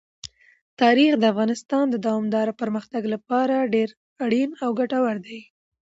تاریخ د افغانستان د دوامداره پرمختګ لپاره ډېر اړین او ګټور دی.